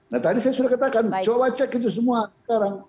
nah tadi saya sudah katakan coba cek itu semua sekarang